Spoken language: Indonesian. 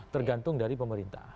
tergantung dari pemerintah